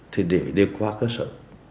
thì đều qua cơ sở